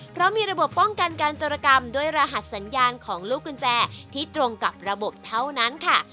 เพราะมีระบบป้องกันการจรกรรมด้วยรหัสสัญญาณของลูกกุญแจที่ตรงกับระบบเท่านั้นค่ะ